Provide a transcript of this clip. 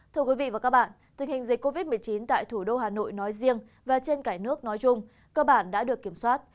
thưa quý vị và các bạn tình hình dịch covid một mươi chín tại thủ đô hà nội nói riêng và trên cả nước nói chung cơ bản đã được kiểm soát